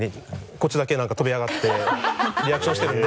こっちだけなんか飛び上がってリアクションしてるんで。